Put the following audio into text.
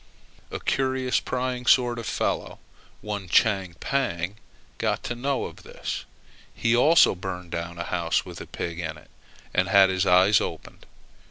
A curious prying sort of fellow, one Chang Pang, got to know of this. He also burned down a house with a pig in it, and had his eyes opened.